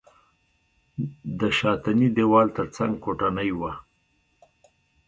د شاتني دېوال تر څنګ کوټنۍ وه.